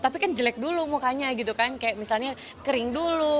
tapi kan jelek dulu mukanya gitu kan kayak misalnya kering dulu